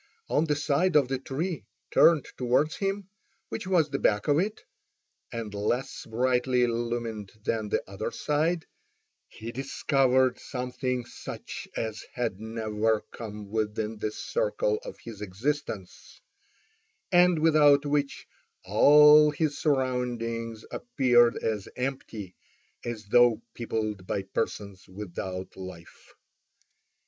On the side of the tree turned towards him—which was the back of it, and less brightly illumined than the other side—he discovered something such as had never come within the circle of his existence, and without which all his surroundings appeared as empty as though peopled by persons without life.